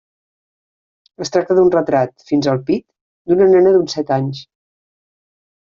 Es tracta d'un retrat, fins al pit, d'una nena d'uns set anys.